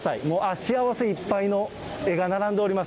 幸せいっぱいの絵が並んでおります。